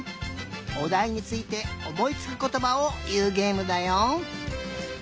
おだいについておもいつくことばをいうげえむだよ。